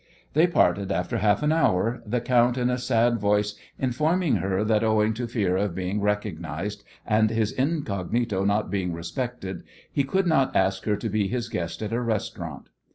They parted after half an hour, the count in a sad voice informing her that owing to fear of being recognized and his incognito not being respected he could not ask her to be his guest at a restaurant.